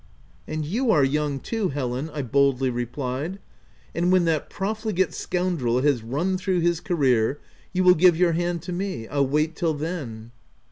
"And you are young too, Helen," I boldly replied, u . and when that profligate scoundrel has run through his career, you will give your hand to me— I'll wait till then."